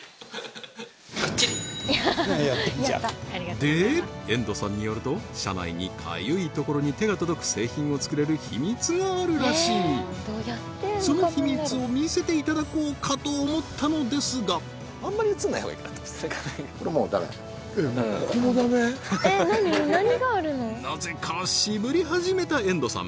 で猿渡さんによると社内にかゆいところに手が届く製品を作れる秘密があるらしいその秘密を見せていただこうかと思ったのですがなぜか渋り始めた猿渡さん